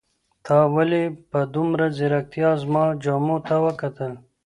تا ولې په دومره ځیرکتیا زما جامو ته وکتل؟